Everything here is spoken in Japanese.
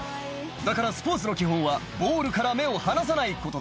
「だからスポーツの基本はボールから目を離さないことだ」